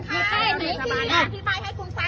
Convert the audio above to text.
มีป้ายมั้ยพี่มีป้ายให้คุณฟัง